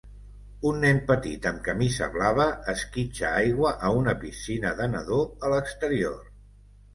Un nen petit amb camisa blava esquitxa aigua a una piscina de nadó a l'exterior.